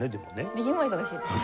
右も忙しいです。